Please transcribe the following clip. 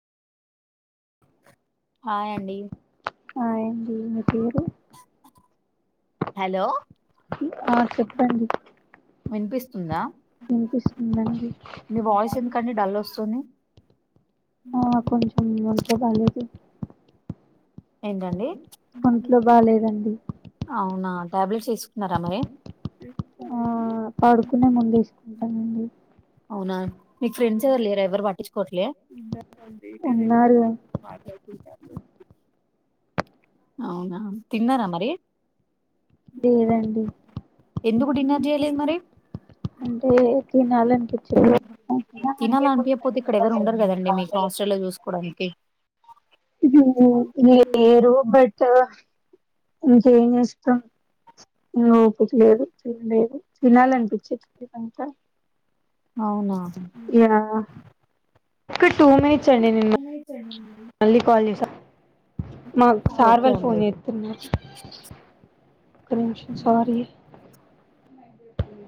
hi అండి hi అండి మీ పేరు హలో ఆ చెప్పండి వినిపిస్తుందా వినిపిస్తుందా అండి మీ వాయిస్ ఎందుకండి డల్ వస్తుంది ఆ కొంచెం ఒంట్లో బాలేదు ఏంటండి ఒంట్లో బాలేదండి అవునా టాబ్లెట్స్ ఏసు ఉన్నారా మరి హు [unintelligible] అవునండి అవునా మీకు ఫ్రెండ్స్ ఎవరు లేరా ఎవరు పట్టించుకోవట్లే అండి ఇంకా నేను ఉన్నారు మాట్లాడుతూ ఉంటారు అవునా తిన్నార మరి లేదండి ఎందుకు డిన్నర్ చేయలేదు మరి అంటే తినాలనిపించలేదు తినాలనిపియ్యకపోతే ఇక్కడ ఎవరు ఉండరు కదండి మీకు హాస్టల్ లో చూసుకోవడానికి హు లేరు బట్ ఇంకేం చేస్తాం ను ఓపిక లేదు తినలేదు తినాలనిపించట్లేదంట హు అవునా ఇగ టూ వినేట్స్ అండి నేను మ మళ్ళీ కాల్ చేసాం మాకు సార్ ఓకే వాళ్ళు ఫోన్ అండి చేస్తున్నారు ఒక నిమిషం సారీ